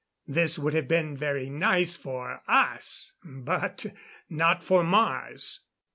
This would have been very nice for us but not for Mars."